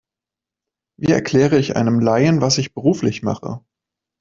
Wie erkläre ich einem Laien, was ich beruflich mache?